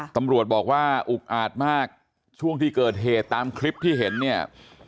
ตำรวจบอกว่าอุกอาจมากช่วงที่เกิดเหตุตามคลิปที่เห็นเนี่ย